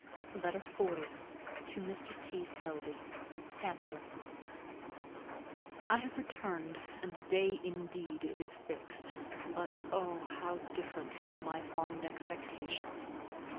LETTER XL. TO MR. T. SELBY. HAMPSHIRE. I have returned; and the day, indeed, is fixed; but O, how different from my fond expectations!